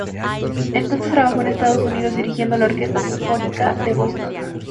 Entonces trabajó en Estados Unidos dirigiendo la Orquesta Sinfónica de Boston.